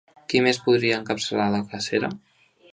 Qui més podria encapçalar la cacera?